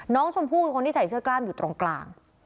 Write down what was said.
น้องชมพู่เป็นคนที่ใส่เสื้อกล้ามอยู่ตรงกลาง